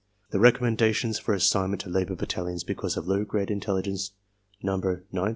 The recommendations for assignment to labor battalions because of low grade intelligence, number 9,871 (0.